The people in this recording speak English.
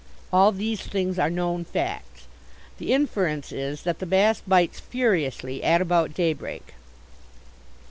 All these things are known facts. The inference is that the bass bites furiously at about daybreak.